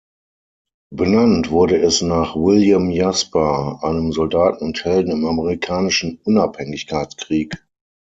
Benannt wurde es nach William Jasper, einem Soldaten und Helden im Amerikanischen Unabhängigkeitskrieg.